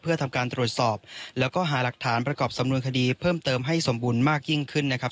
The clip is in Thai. เพื่อทำการตรวจสอบแล้วก็หาหลักฐานประกอบสำนวนคดีเพิ่มเติมให้สมบูรณ์มากยิ่งขึ้นนะครับ